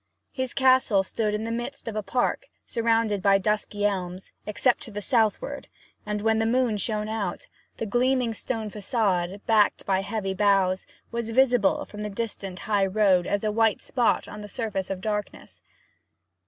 His castle stood in the midst of a park, surrounded by dusky elms, except to the southward; and when the moon shone out, the gleaming stone facade, backed by heavy boughs, was visible from the distant high road as a white spot on the surface of darkness.